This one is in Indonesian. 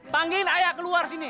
panggilin ayah keluar sini